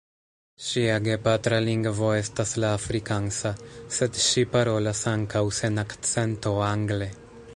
Ŝia gepatra lingvo estas la afrikansa, sed ŝi parolas ankaŭ sen akcento angle.